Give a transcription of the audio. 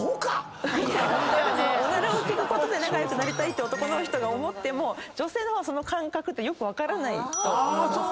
おならで仲良くなりたいって男の人が思っても女性の方はその感覚ってよく分からないと思います。